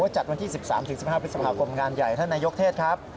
จัดวันที่๑๓๑๕พฤษภาคมงานใหญ่ท่านนายกเทศครับ